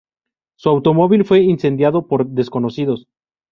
Su automóvil fue incendiado por desconocidos.